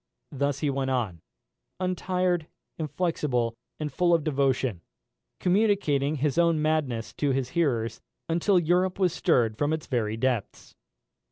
Thus he went on, untired, inflexible, and full of devotion, communicating his own madness to his hearers, until Europe was stirred from its very depths.